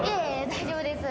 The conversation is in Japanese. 大丈夫です。